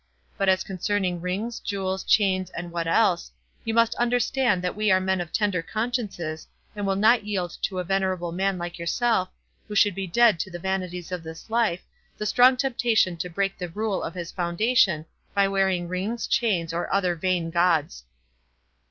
—But as concerning rings, jewels, chains, and what else, you must understand that we are men of tender consciences, and will not yield to a venerable man like yourself, who should be dead to the vanities of this life, the strong temptation to break the rule of his foundation, by wearing rings, chains, or other vain gauds."